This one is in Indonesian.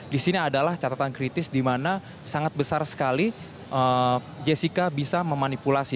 di sini adalah catatan kritis di mana sangat besar sekali jessica bisa memanipulasi